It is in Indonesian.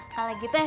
kalau gitu ya